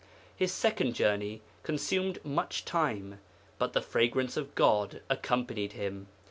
His second journey consumed much time, but the fragrance of God accompanied Him.